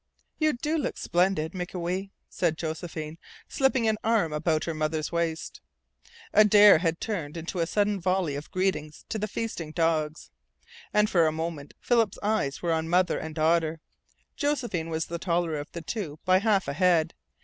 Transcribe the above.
"You do look splendid, Mikawe," said Josephine, slipping an arm about her mother's waist. Adare had turned into a sudden volley of greetings to the feasting dogs, and for another moment Philip's eyes were on mother and daughter. Josephine was the taller of the two by half a head.